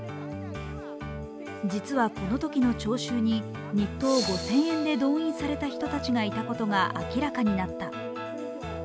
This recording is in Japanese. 実はこのときの聴衆に、日当５０００円で動員された人たちがいたことが明らかになった。